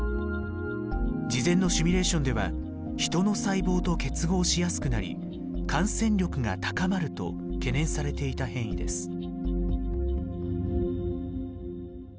事前のシミュレーションではヒトの細胞と結合しやすくなり感染力が高まると懸念されていた変異です。